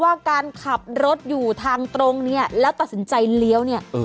ว่าการขับรถอยู่ทางตรงเนี่ยแล้วตัดสินใจเลี้ยวเนี่ย